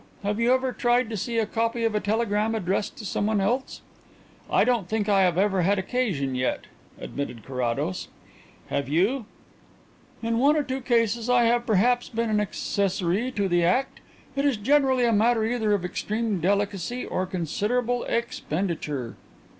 Have you ever tried to see a copy of a telegram addressed to someone else?" "I don't think I have ever had occasion yet," admitted Carrados. "Have you?" "In one or two cases I have perhaps been an accessory to the act. It is generally a matter either of extreme delicacy or considerable expenditure."